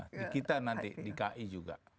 nah di kita nanti di ki juga